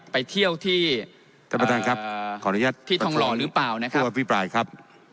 ไปเที่ยวที่ที่ทองหล่อหรือเปล่านะครับ